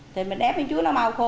thì mình ép miếng chuối nó mau khô